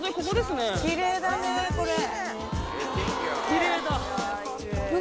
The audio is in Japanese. きれいだ。